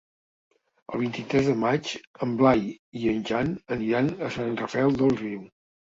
El vint-i-tres de maig en Blai i en Jan aniran a Sant Rafel del Riu.